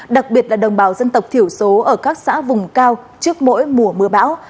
đặc biệt là đồng bào dân tộc thiểu số ở các xã vùng cao trước mỗi mùa mưa bão